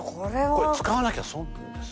これ使わなきゃ損なんですよ。